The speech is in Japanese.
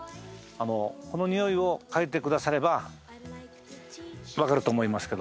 このにおいを嗅いでくださればわかると思いますけど。